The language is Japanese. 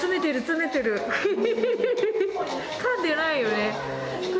かんでないよね。